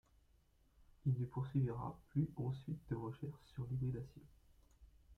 Il ne poursuivra plus ensuite de recherches sur l'hybridation.